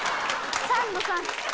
サンドさん！